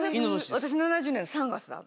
私７０年の３月。